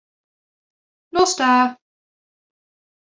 Nos da.